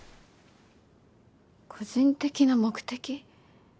個人的な目的？